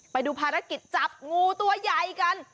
ไปดูภารกิจจับงูตัวใหญ่กัน